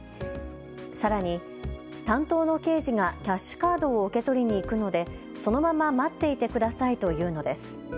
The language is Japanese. さらに担当の刑事がキャッシュカードを受け取りに行くので、そのまま待っていてくださいと言うのです。